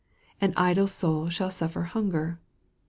AD idle soul shall suffer hunger."